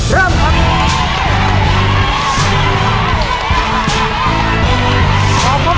เริ่มครับ